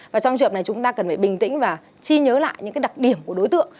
và trong trường hợp này chúng ta cần phải bình tĩnh và chi nhớ lại những cái đặc điểm của đối tượng